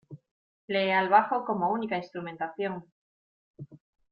Lee al bajo como única instrumentación.